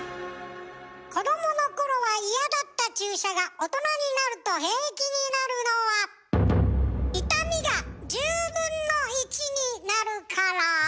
子どものころは嫌だった注射が大人になると平気になるのは痛みが１０分の１になるから。